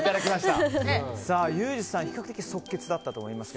ユージさん比較的即決だったと思いますが。